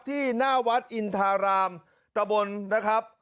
ที่หน้าวัดอินทารามตะบนนะครับ